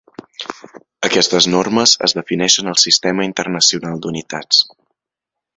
Aquestes normes es defineixen al Sistema Internacional d'Unitats.